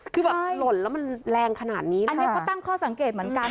คือแบบหล่นแล้วมันแรงขนาดนี้อันนี้เขาตั้งข้อสังเกตเหมือนกัน